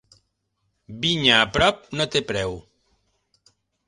Vinya a prop no té preu.